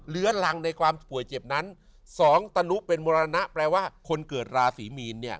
ลังในความป่วยเจ็บนั้นสองตะลุเป็นมรณะแปลว่าคนเกิดราศีมีนเนี่ย